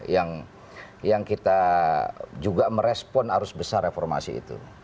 yang kita juga merespon arus besar reformasi itu